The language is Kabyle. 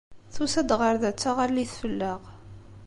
Tusa-d ɣer da d taɣallit fell-aɣ.